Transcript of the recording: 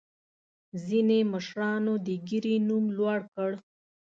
ځینې مشرانو د ګیرې نوم لوړ کړ.